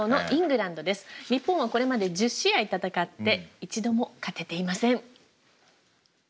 日本はこれまで１０試合戦って一度も勝てていません。